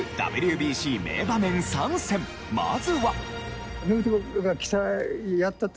まずは。